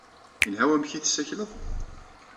Yelha wamek ay tessakleḍ?